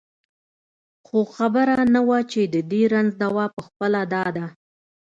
خو خبره نه وه چې د دې رنځ دوا پخپله دا ده.